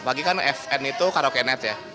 apalagi kan fn itu karaoke net ya